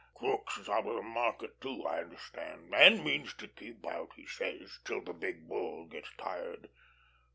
Crookes is out of the market, too, I understand and means to keep out, he says, till the Big Bull gets tired.